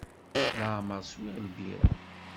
Leɛmer swiɣ lbirra.